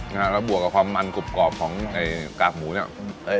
นะฮะแล้วบวกกับความมันกรูปกรอบของไอ้กาบหมูเนี่ยอืม